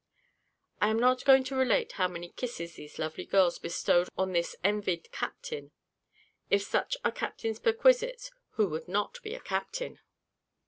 I am not going to relate how many kisses these lovely girls bestowed on this envied captain. If such are captain's perquisites, who would not be a captain?